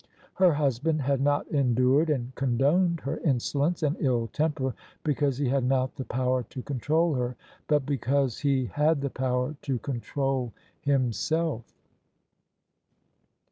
Her husband had not endured and condoned her insolence and ill temper because he had not the power to control her: but because he had the power to control himself.